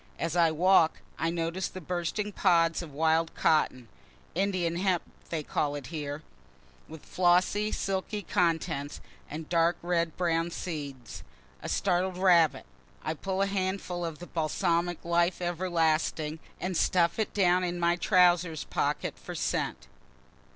As I walk I notice the bursting pods of wild cotton, (Indian hemp they call it here,) with flossy silky contents, and dark red brown seeds a startled rabbit I pull a handful of the balsamic life ever lasting and stuff it down in my trowsers pocket for scent.